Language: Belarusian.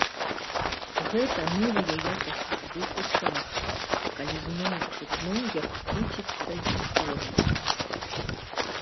Гэта новая якасць духу часу, калі зноў чутно, як круціцца гісторыя.